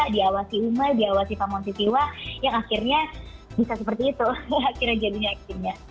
diawasi umai diawasi pak monti tiwa yang akhirnya bisa seperti itu akhirnya jadinya actingnya